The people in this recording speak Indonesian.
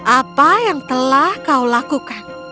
apa yang telah kau lakukan